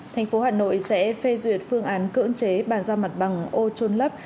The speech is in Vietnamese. tp hà nội sẽ phê duyệt phương án cưỡng chế bàn giao mặt bằng ô trôn lấp